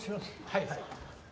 はいはい。